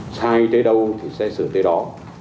sai tới đâu thì sẽ xử tới đó